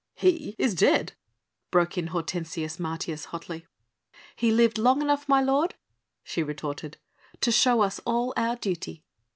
"He is dead!" broke in Hortensius Martius hotly. "He lived long enough, my lord," she retorted, "to show us all our duty."